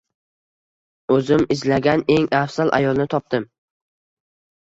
Oʻzim izlagan eng afzal ayolni topdim.